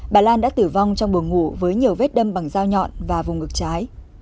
bà lan đã tử vong trong buồng ngủ với nhiều vết đâm bằng dao nhọn và vùng ngực trái